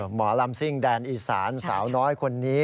หมอลำซิ่งแดนอีสานสาวน้อยคนนี้